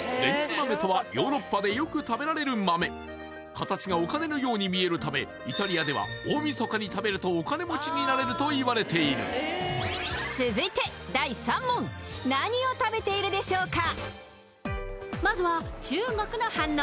形がお金のように見えるためイタリアでは大晦日に食べるとお金持ちになれると言われている続いて第３問何を食べているでしょうか？